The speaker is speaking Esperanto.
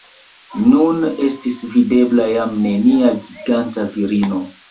Nun estis videbla jam nenia giganta virino.